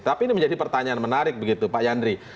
tapi ini menjadi pertanyaan menarik begitu pak yandri